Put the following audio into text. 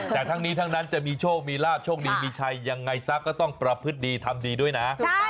แต่ทั้งนี้ทั้งนั้นจะมีโชคมีลาบโชคดีมีชัยยังไงซะก็ต้องประพฤติดีทำดีด้วยนะ